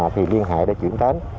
thì liên hệ để chuyển đến